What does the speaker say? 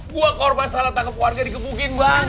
gua korban salah tangkap keluarga dikepukin bang